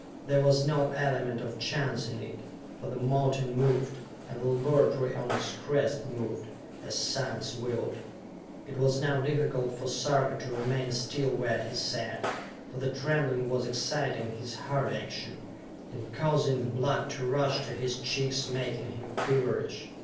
There was no element of chance in it, for the mountain moved, and the laboratory on its crest moved, as science willed. It was now difficult for Sarka to remain still where he sat, for the trembling was exciting his heart action, and causing the blood to rush to his cheeks, making him feverish.